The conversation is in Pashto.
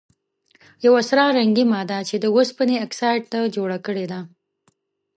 یوه سره رنګې ماده چې د اوسپنې اکسایډ ده جوړه کړي ده.